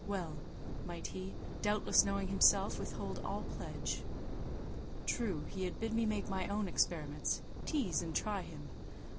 Well might he, doubtless knowing himself, withhold all pledge. True, he had bid me make my own experiments—tease and try him.